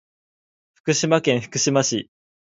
福島県福島市